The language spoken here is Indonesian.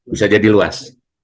bisa jadi luas